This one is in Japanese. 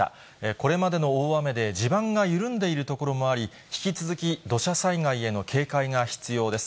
これまでの大雨で地盤が緩んでいる所もあり、引き続き土砂災害への警戒が必要です。